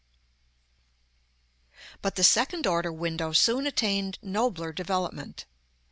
But the second order window soon attained nobler developement.